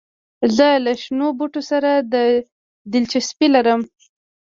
زه له شنو بوټو سره دلچسپي لرم.